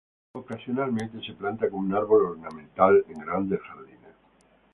Ocasionalmente se planta como un árbol ornamental en grandes jardines.